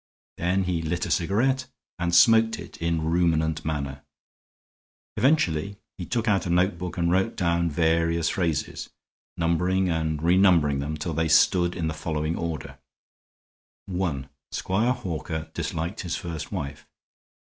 Then he lit a cigarette and smoked it in ruminant manner; eventually he took out a notebook and wrote down various phrases, numbering and renumbering them till they stood in the following order: "(1) Squire Hawker disliked his first wife.